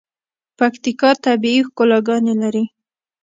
پکیتکا طبیعی ښکلاګاني لري.